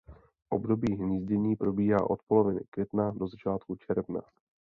Období hnízdění probíhá od poloviny května do začátku června.